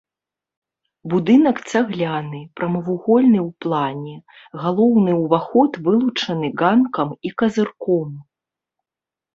Будынак цагляны, прамавугольны ў плане, галоўны ўваход вылучаны ганкам і казырком.